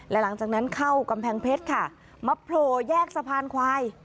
และหลังจากนั้นเข้ากำแพงเพชรค่ะมาโผล่แยกสะพานควาย